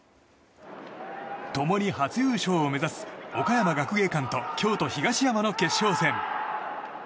共に初優勝を目指す岡山学芸館と京都・東山の決勝戦。